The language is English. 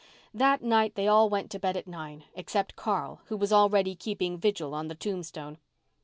That night they all went to bed at nine, except Carl, who was already keeping vigil on the tombstone.